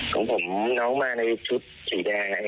ของผมน้องมาในชุดสีแดง